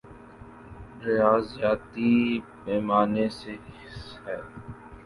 ریاضیاتی پیمانے سے ہی